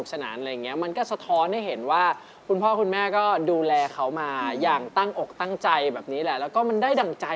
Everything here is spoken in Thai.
สะท้อนให้เห็นว่าว่าผู้พ่อคุณแม่ก็ดูแลเขามาอย่างตั้งอกตั้งใจแบบนี้ล่ะ